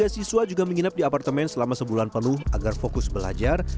tiga siswa juga menginap di apartemen selama sebulan penuh agar fokus belajar